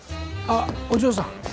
あっお嬢さん。